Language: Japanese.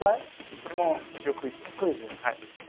これも一応クイズです。